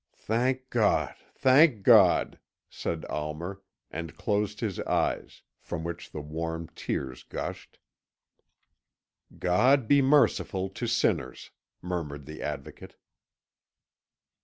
"Thank God! Thank God!" said Almer, and closed his eyes, from which the warm tears gushed. "God be merciful to sinners!" murmured the Advocate.